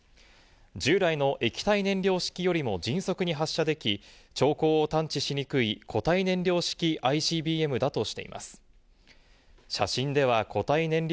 従来の液体燃料式よりも迅速に発射でき、兆候を探知しにくい固体燃料式ＩＣＢＭだとしています。